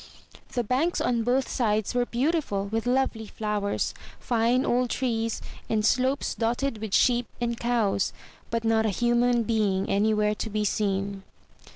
The banks on both sides were beautiful, with lovely flowers, fine old trees, and slopes dotted with sheep and cows, but not a human being anywhere to be seen.